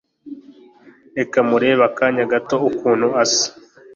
Reka murebe akanya gato ukunu asa